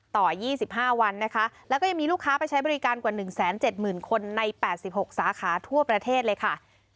ต่อยี่สิบห้าวันนะคะแล้วก็ยังมีลูกค้าไปใช้บริการกว่าหนึ่งแสนเจ็ดหมื่นคนในแปดสิบหกสาขาทั่วประเทศเลยค่ะ